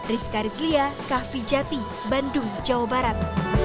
rizka rizlia kah vijati bandung jawa barat